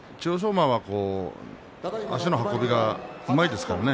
馬が足の運びがうまいですからね。